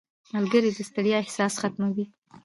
• ملګری د ستړیا احساس ختموي.